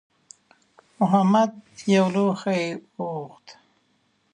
محمد یو لوښی وغوښت.